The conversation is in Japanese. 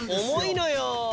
重いのよ。